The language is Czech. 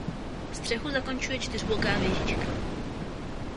Střechu zakončuje čtyřboká věžička.